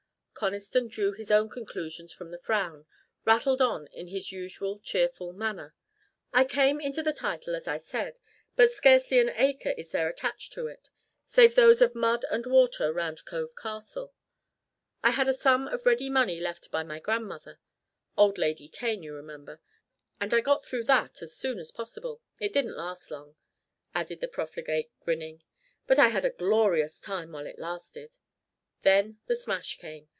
Conniston drew his own conclusions from the frown, rattled on in his usual cheerful manner. "I came into the title as I said, but scarcely an acre is there attached to it, save those of mud and water round Cove Castle. I had a sum of ready money left by my grandmother old Lady Tain, you remember and I got through that as soon as possible. It didn't last long," added the profligate, grinning; "but I had a glorious time while it lasted. Then the smash came.